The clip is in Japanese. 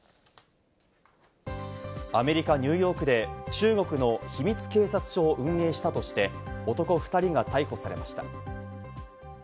アメリカ・ニューヨークで中国の秘密警察署を運営したとして、男２人が逮捕されました。